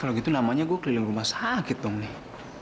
kalau gitu namanya gue keliling rumah sakit dong nih